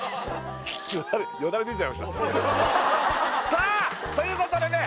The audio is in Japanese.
さあということでね